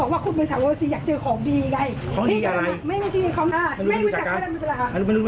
เกิดเหตุระหว่างคนสองคนนี้เดี๋ยวท่า